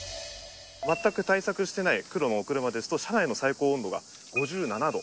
全く対策してない黒のお車ですと、車内の最高温度が５７度。